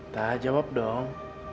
tak jawab dong